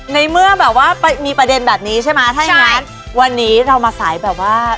ในเมื่อแบบว่ามีประเด็นแบบนี้ใช่ไหมถ้าอย่างงั้นวันนี้เรามาสายแบบว่า